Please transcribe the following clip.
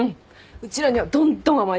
うちらにはどんどん甘えていいから。